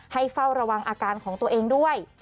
เฝ้าระวังอาการของตัวเองด้วย